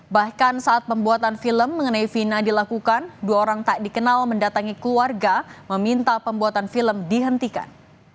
bahkan saat pembuatan film mengenai vina dilakukan dua orang tak dikenal mendatangi keluarga meminta pembuatan film dihentikan